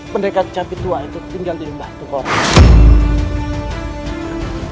pendekar kecapi tua itu tinggal di lembah tengkorak